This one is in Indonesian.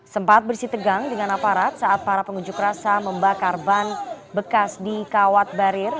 sempat bersih tegang dengan aparat saat para pengunjuk rasa membakar ban bekas di kawat barir